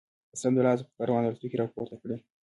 سمدلاسه پر کاروان الوتکې را پورته کړي.